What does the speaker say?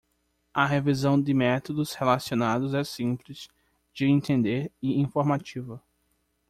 A revisão de métodos relacionados é simples de entender e informativa.